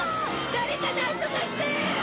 誰かなんとかして！